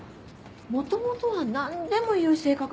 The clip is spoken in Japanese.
もともとは何でも言う性格なのよ。